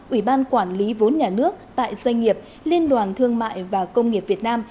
ủy ban quản lý vốn nhà nước tại doanh nghiệp liên đoàn thương mại và công nghiệp việt nam